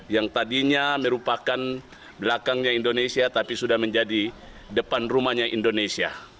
yang tadinya merupakan belakangnya indonesia tapi sudah menjadi depan rumahnya indonesia